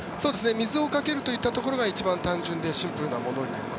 水をかけるというところが一番単純でシンプルなものになります。